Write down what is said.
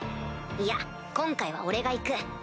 いや今回は俺が行く。